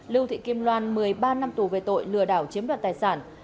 lưu thị kim loan một mươi ba năm tù về tội lừa đảo chiếm đoạt tài sản